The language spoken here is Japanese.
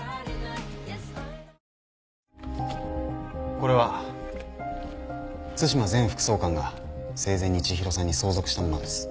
これは津島前副総監が生前に千尋さんに相続したものです。